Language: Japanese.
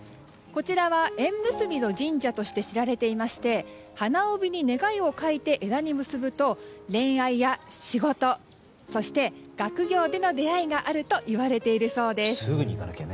こちらは縁結びの神社として知られていまして花帯に願いを書いて枝に結ぶと恋愛や仕事そして学業での出会いがあるといわれているそうです。